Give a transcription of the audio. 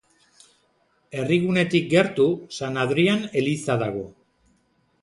Herrigunetik gertu San Adrian eliza dago.